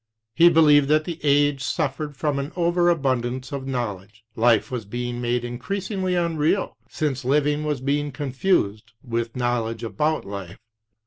He believed that the age suffered from an over abundance of knowledge. Life was being made increasingly unreal, since living was being confused with knowledge about life.